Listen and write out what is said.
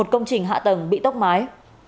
một công trình hạ tầng bị tốc mái